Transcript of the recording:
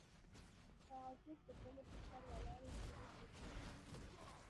تعجب د بلۍ په سر ولاړې نجلۍ ته ګوري